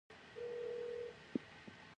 آیا وربشې له غنمو کمې اوبه غواړي؟